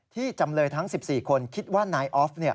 จำเลยทั้ง๑๔คนคิดว่านายออฟ